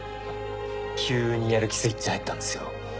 急にやる気スイッチ入ったんですよ。